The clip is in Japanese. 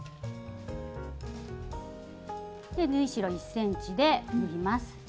縫い代１ｃｍで縫います。